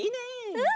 うん。